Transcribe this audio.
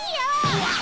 うわ！